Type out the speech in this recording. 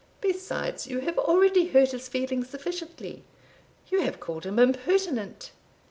Besides, you have already hurt his feelings sufficiently you have called him impertinent."